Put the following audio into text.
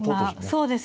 そうですね。